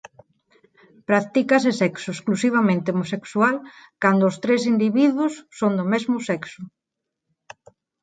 Practícase sexo exclusivamente homosexual cando o tres individuos son do mesmo sexo.